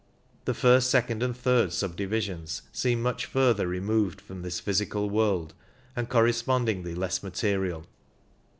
The first, second, and third subdivisions seem much further removed from this physical world, and corre spondingly less material.